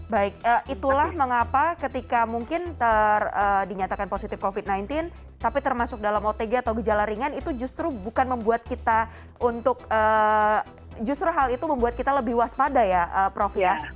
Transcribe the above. baik itulah mengapa ketika mungkin dinyatakan positif covid sembilan belas tapi termasuk dalam otg atau gejala ringan itu justru bukan membuat kita untuk justru hal itu membuat kita lebih waspada ya prof ya